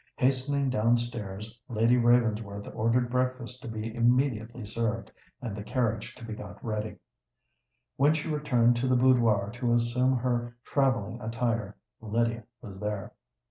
Hastening down stairs, Lady Ravensworth ordered breakfast to be immediately served, and the carriage to be got ready. When she returned to the boudoir to assume her travelling attire, Lydia was there.